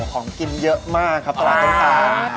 ของกินเยอะมากครับตลาดน้ำตาล